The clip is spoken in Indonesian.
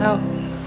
oh ada apa ya